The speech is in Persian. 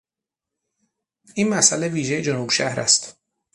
این مسئله ویژهی جنوب شهر است.